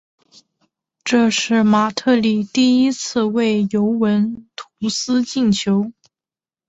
这是马特里第一次为尤文图斯进球。